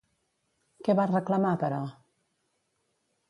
Què va reclamar, però?